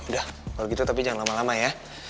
udah kalau gitu tapi jangan lama lama ya